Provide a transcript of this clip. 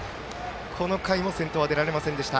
この回も先頭は出られませんでした。